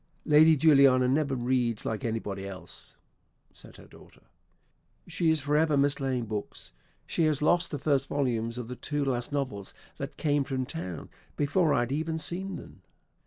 "Lady Juliana never reads like anybody else," said her daughter; "she is for ever mislaying books. She has lost the first volumes of the two last novels that came from town before I had even seen then."